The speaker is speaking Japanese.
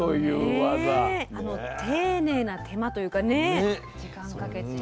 あの丁寧な手間というかね時間かけて。